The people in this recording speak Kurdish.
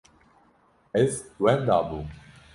Ez wenda bûm.